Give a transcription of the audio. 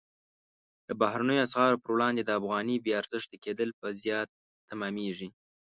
د بهرنیو اسعارو پر وړاندې د افغانۍ بې ارزښته کېدل په زیان تمامیږي.